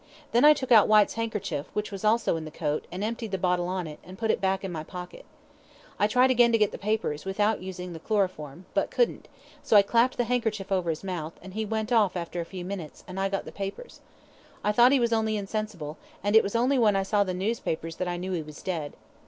Then I took out Whyte's handkerchief, which was also in the coat, and emptied the bottle on it, and put it back in my pocket. I again tried to get the papers, without using the chloroform, but couldn't, so I clapped the handkerchief over his mouth, and he went off after a few minutes, and I got the papers. I thought he was only insensible, and it was only when I saw the newspapers that I knew he was dead.